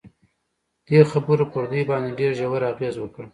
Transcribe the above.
دې خبرو پر دوی باندې ډېر ژور اغېز وکړ